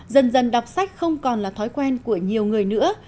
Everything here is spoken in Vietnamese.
dần dần đọc sách không còn là thói quen của nhiều người nữa